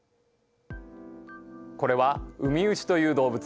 これはウミウシという動物。